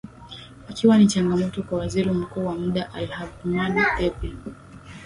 Ikiwa ni changamoto kwa Waziri Mkuu wa muda Abdulhamid Dbeibah